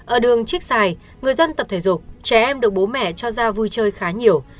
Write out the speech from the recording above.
ở đường chiếc xài người dân tập thể dục trẻ em được bố mẹ cho ra vui chơi khá nhiều